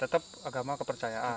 tetap agama kepercayaan